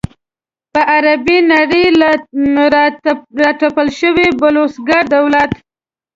پر عربي نړۍ له را تپل شوي بلوسګر دولت.